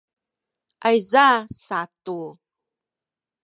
ayza satu